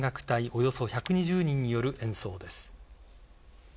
およそ１２０人による演奏です。